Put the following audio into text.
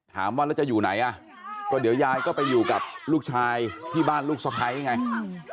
ถามว่าแล้วจะอยู่ไหนอ่ะก็เดี๋ยวยายก็ไปอยู่กับลูกชายที่บ้านลูกสะพ้ายไงอืม